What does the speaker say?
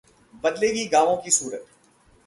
बदलेगी गांवों की सूरत